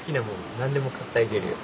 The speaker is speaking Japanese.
何でも買ってあげるよ。